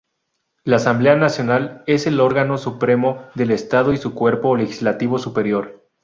La Asamblea Nacional es el órgano supremo del estado y su cuerpo legislativo superior.